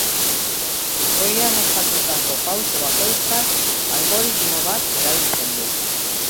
Goian azaldutako pauso bakoitzak algoritmo bat erabiltzen du.